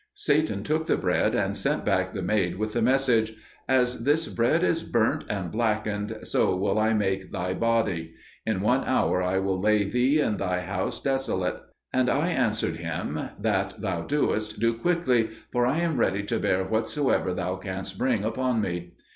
'" Satan took the bread, and sent back the maid with this message, "As this bread is burnt and blackened, so will I make thy body; in one hour I will lay thee and thy house desolate." And I answered him, "That thou doest, do quickly; for I am ready to bear whatsoever thou canst bring upon me."